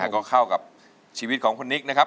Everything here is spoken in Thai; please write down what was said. ก็เข้ากับชีวิตของคุณนิกนะครับ